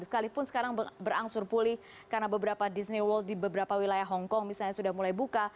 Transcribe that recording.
sekalipun sekarang berangsur pulih karena beberapa disney world di beberapa wilayah hongkong misalnya sudah mulai buka